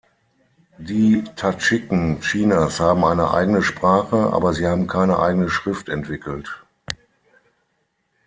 Die Tadschiken Chinas haben eine eigene Sprache, aber sie haben keine eigene Schrift entwickelt.